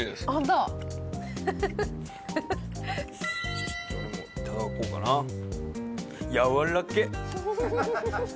ちょっと俺もいただこうかなやわらけっ！